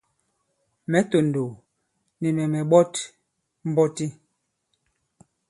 Mɛ̌ tòndòw, nì mɛ̀ mɛ̀ ɓɔt mbɔti.